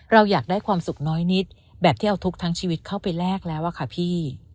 เราอยากได้ความสุขน้อยนิดแบบที่เอาทุกข์ทั้งชีวิตเข้าไปแลกแล้วอะค่ะพี่